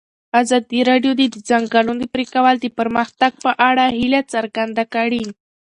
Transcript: ازادي راډیو د د ځنګلونو پرېکول د پرمختګ په اړه هیله څرګنده کړې.